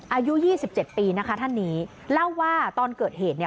อายุยี่สิบเจ็ดปีนะคะท่านนี้เล่าว่าตอนเกิดเหตุเนี่ย